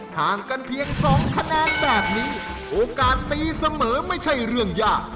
ห่างกันเพียง๒คะแนนแบบนี้โอกาสตีเสมอไม่ใช่เรื่องยาก